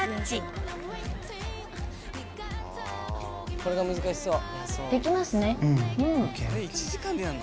これが難しそう。